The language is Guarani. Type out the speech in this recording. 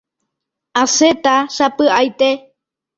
Asẽta sapy'aite.